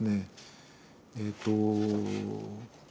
えっと